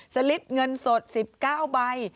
ลิปเงินสด๑๙ใบ